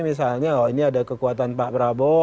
misalnya ini ada kekuatan pak prabowo